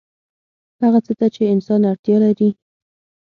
هغه څه ته چې انسان اړتیا لري